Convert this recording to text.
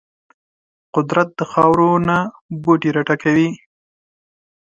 قدرت د خاورو نه بوټي راټوکوي.